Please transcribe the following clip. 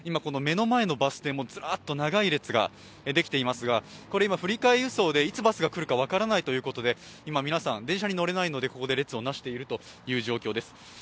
目の前のバス停もずらっと長い列ができていますが振り替え輸送でいつ、バスが来るか分からないということで、今、皆さん電車に乗れないので、ここでバスを待っている状況です。